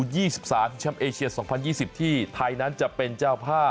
อเชียมเอเชีย๒๐๒๐ที่ไทยนั้นจะเป็นเจ้าผ้า